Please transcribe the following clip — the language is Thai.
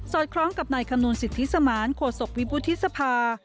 สอดคล้องกับนายคำนวณสิทธิสมารโขสกวิบุทธิสภา